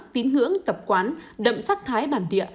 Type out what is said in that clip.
tín hưởng tập quán đậm sắc thái bản địa